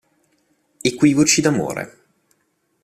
Equivoci d'amore